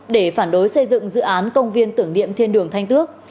để phản đối xây dựng dự án công viên tưởng niệm thiên đường thanh tước